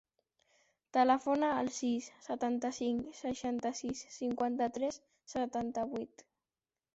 Telefona al sis, setanta-cinc, seixanta-sis, cinquanta-tres, setanta-vuit.